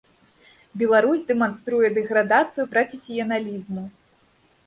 Беларусь дэманструе дэградацыю прафесіяналізму.